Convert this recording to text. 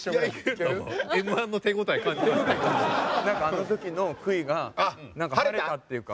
何かあの時の悔いが晴れたっていうか。